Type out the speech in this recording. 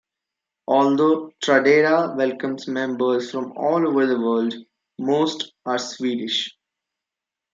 Although Tradera welcomes members from all over the world, most are Swedish.